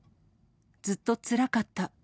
ずっとつらかった。